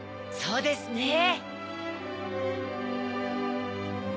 そうですね。